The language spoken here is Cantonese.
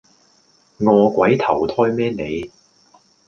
餓鬼投胎咩你